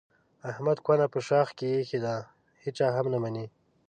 احمد کونه په شاخ کې ایښې ده د هېچا هم نه مني.